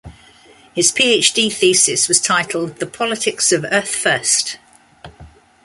His PhD thesis was titled The Politics of Earth First!